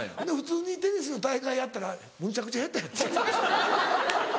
普通にテニスの大会やったらむちゃくちゃ下手やった。